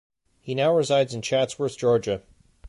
He now resides in Chatsworth, Georgia.